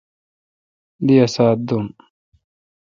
دی اسا ت دوم۔